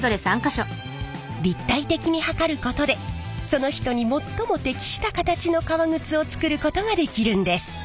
立体的に測ることでその人に最も適した形の革靴をつくることができるんです。